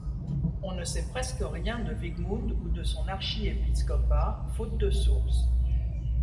On ne sait presque rien de Wigmund ou de son archiépiscopat, faute de sources.